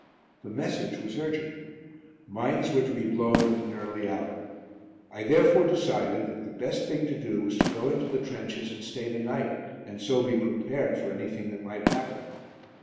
The message was urgent. Mines were to be blown at an early hour. I therefore decided that the best thing to do was to go into the trenches and stay the night, and so be prepared for anything that might happen.